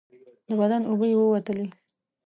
د بدن اوبه یې ووتلې.